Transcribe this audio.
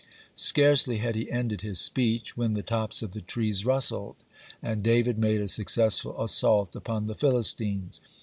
Scarcely had he ended his speech when the tops of the trees rustled, and David made a successful assault upon the Philistines.